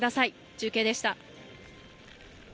中継でした。